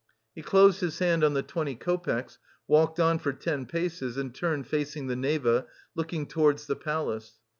He closed his hand on the twenty copecks, walked on for ten paces, and turned facing the Neva, looking towards the palace.